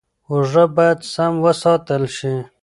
هوږه باید سم وساتل شي.